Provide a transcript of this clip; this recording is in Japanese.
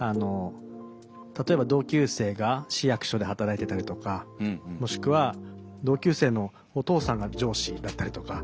例えば同級生が市役所で働いてたりとかもしくは同級生のお父さんが上司だったりとか。